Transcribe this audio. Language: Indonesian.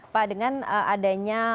pak dengan adanya